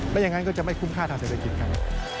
อย่างนั้นก็จะไม่คุ้มค่าทางเศรษฐกิจครับ